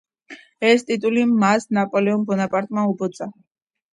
ეს ტიტული მას ნაპოლეონ ბონაპარტმა უბოძა.